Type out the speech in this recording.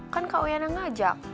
kan kak uyun yang ngajak